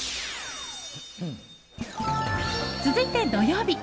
続いて、土曜日。